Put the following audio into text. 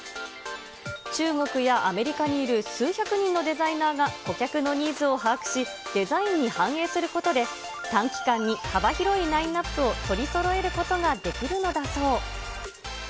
中国やアメリカにいる数百人のデザイナーが顧客のニーズを把握し、デザインに反映することで、短期間に幅広いラインナップを取りそろえることができるのだそう。